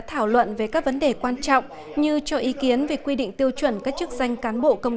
thảo luận về các vấn đề quan trọng như cho ý kiến về quy định tiêu chuẩn các chức danh cán bộ công